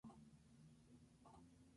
Su ideología era el liberalismo.